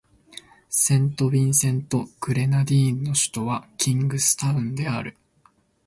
セントビンセント・グレナディーンの首都はキングスタウンである